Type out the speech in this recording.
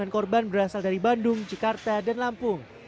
sembilan korban berasal dari bandung jakarta dan lampung